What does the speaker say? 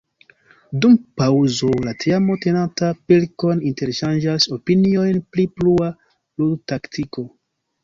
Dum paŭzo, la teamo tenanta pilkon, interŝanĝas opiniojn pri plua ludtaktiko.